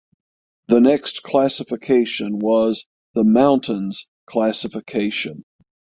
The next classification was the mountains classification.